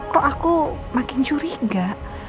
kok aku makin curiga